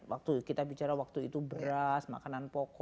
waktu kita bicara waktu itu beras makanan pokok